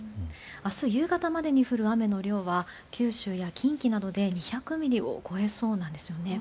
明日夕方までに降る雨の量は九州や近畿などで２００ミリを超えそうなんですよね。